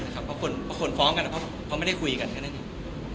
คนฟ้องกันเพราะไม่ได้คุยกันก็ได้เยี่ยม